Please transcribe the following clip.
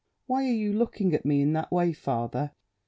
"Why are you looking at me in that way, father?"